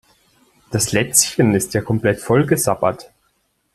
Das Lätzchen ist ja komplett vollgesabbert.